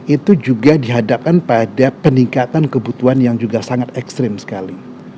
itu juga dihadapkan pada peningkatan kebutuhan yang juga sangat ekstrim sekali